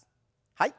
はい。